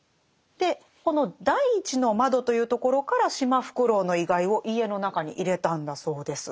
でこの「第一の」というところからシマフクロウの遺骸を家の中に入れたんだそうです。